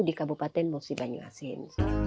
di kabupaten musi banyu asin